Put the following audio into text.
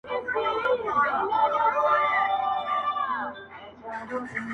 له يوه كال راهيسي,